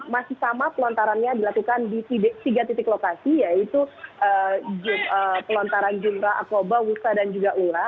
masih sama pelontarannya dilakukan di tiga titik lokasi yaitu pelontaran jumroh aqobah wusta dan juga urah